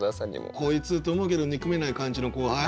「こいつ」って思うけど憎めない感じの後輩？